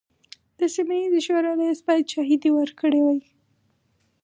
د سیمه ییزې شورا رییس باید شاهدې ورکړي وای.